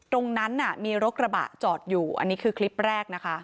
ตรงนั้นมีรถกระบะจอดอยู่อันนี้คือคลิปแรกนะคะ